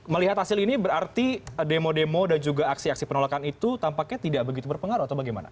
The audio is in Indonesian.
melihat hasil ini berarti demo demo dan juga aksi aksi penolakan itu tampaknya tidak begitu berpengaruh atau bagaimana